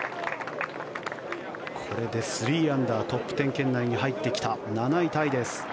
これで３アンダートップ１０圏内に入ってきた７位タイです。